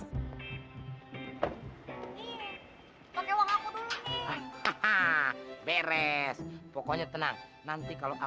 itu kok dibawa nyae nih bey scary mint sulit minta udah softer plotted